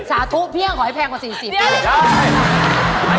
สาธุเพียงขอให้แพงกว่า๔๐นะ